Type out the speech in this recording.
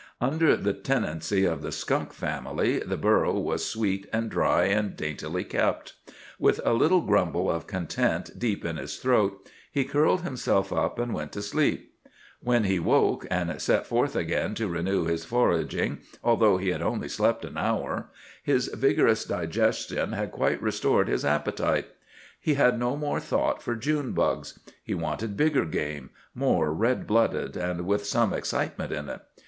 Under the tenancy of the skunk family the burrow was sweet and dry and daintily kept. With a little grumble of content deep in his throat he curled himself up and went to sleep. When he woke and set forth again to renew his foraging, although he had only slept an hour, his vigorous digestion had quite restored his appetite. He had no more thought for June bugs. He wanted bigger game, more red blooded and with some excitement in it.